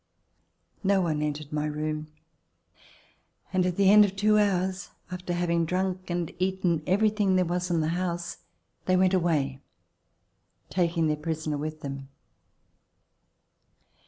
No one entered my room, and at the end of two hours, after having drunk and eaten everything there was in the house, they went away, taking their prisoner with them.